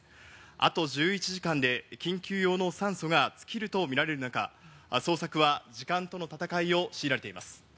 あと１１時間で緊急用の酸素が尽きると見られる中、捜索は時間との戦いを強いられています。